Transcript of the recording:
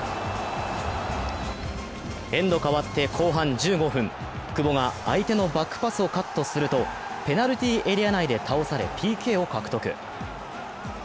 エンド変わって後半１５分、久保が相手のバックパスをカットするとペナルティーエリア内で倒され、ＰＫを獲得。